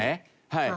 はい。